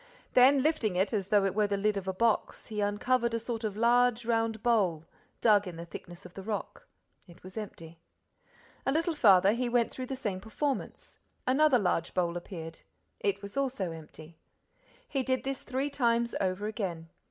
Then, lifting it as though it were the lid of a box, he uncovered a sort of large round bowl, dug in the thickness of the rock. It was empty. A little farther, he went through the same performance. Another large bowl appeared. It was also empty. He did this three times over again.